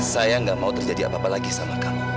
saya nggak mau terjadi apa apa lagi sama kamu